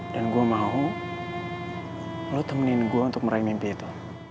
dan gue mau lo temenin gue untuk meraih mimpi itu